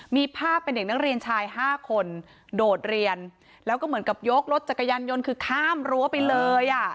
มีภาพเป็นเด็กนักเรียนชายห้าคนโดดเรียนแล้วก็เหมือนกับยกรถจักรยานยนต์คือข้ามรั้วไปเลยอ่ะ